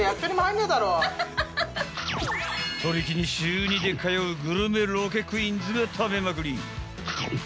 鳥貴に週２で通うグルメロケクイーンズが食べまくり。